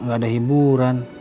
gak ada hiburan